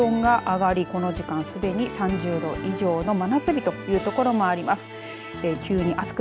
特に東海から西の地域で気温が上がりこの時間すでに３０度以上の真夏日という所もあります。